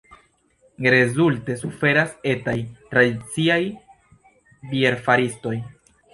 Rezulte suferas etaj, tradiciaj bierfaristoj.